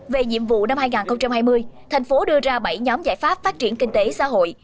về nhiệm vụ năm hai nghìn hai mươi thành phố đưa ra bảy nhóm giải pháp phát triển kinh tế xã hội